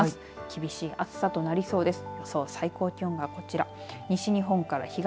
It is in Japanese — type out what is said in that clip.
厳しい暑さとなりそうです。